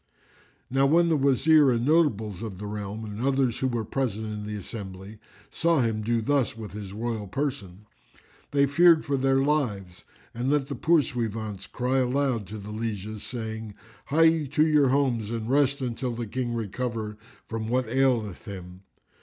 Now when the Wazir and notables of the realm and others who were present in the assembly saw him do thus with his royal person, they feared for their lives and let the poursuivants cry aloud to the lieges, saying, "Hie ye to your homes and rest till the King recover from what aileth him."